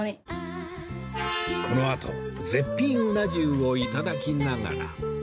このあと絶品うな重を頂きながら